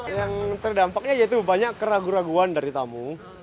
yang terdampaknya yaitu banyak keraguan keraguan dari tamu